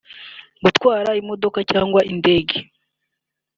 gutwara imodoka cyangwa indege